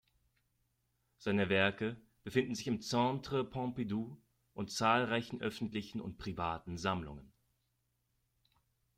Seine Werke befinden sich im Centre Pompidou und zahlreichen öffentlichen und privaten Sammlungen.